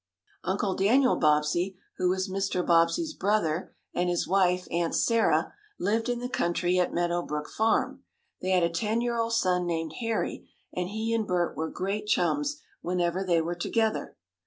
Uncle Daniel Bobbsey, who was Mr. Bobbsey's brother, and his wife, Aunt Sarah, lived in the country at Meadow Brook Farm. They had a ten year old son, named Harry, and he and Bert were great chums whenever they were together.